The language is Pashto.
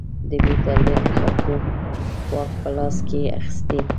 د بې تربیې خلکو واک په لاس کې اخیستی.